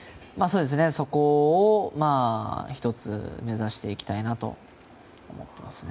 そこを１つ目指していきたいなと思っていますね。